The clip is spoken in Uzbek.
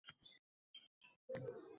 Qoʻqon shahrida filmda suratga tushgan.